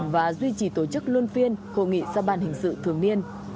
và duy trì tổ chức luân phiên hội nghị ra bàn hình sự thường niên